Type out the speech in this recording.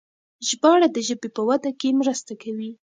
ژباړه د ژبې په وده کې مرسته کوي.